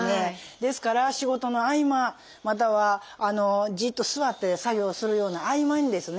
ですから仕事の合間またはじっと座って作業をするような合間にですね